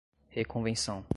reconvenção